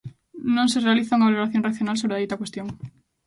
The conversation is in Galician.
Non se realiza unha valoración racional sobre a dita cuestión.